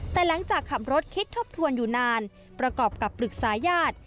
แต่หลังจากขับรถคิดทบทวนอยู่นานประกอบกับปรึกษาญาติ